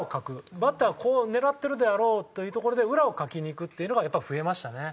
バッターが狙ってるであろうというところで裏をかきにいくっていうのがやっぱり増えましたね。